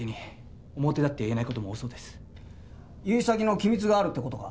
融資先の機密があるって事か？